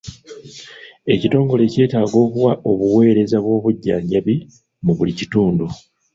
Ekitongole kyetaaga okuwa obuweereza bw'obujjanjabi mu buli kitundu.